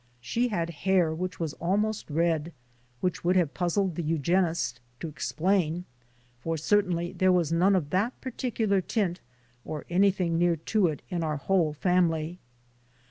She had hair which was almost red, which would have puzzled the eugenist to explain, for certainly there was none of that particular tint or anything near to it in our whole family.